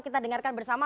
kita dengarkan bersama